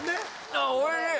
あっおいしい！